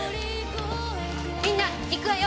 みんな行くわよ。